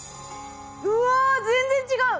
うわ全然違う！